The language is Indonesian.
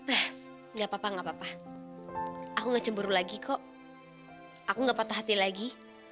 eh gapapa gapapa aku gak cemburu lagi kok aku gak patah hati lagi